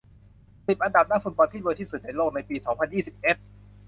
สิบ อันดับนักฟุตบอลที่รวยที่สุดในโลกในปี สองพันยี่สิบเอ็ด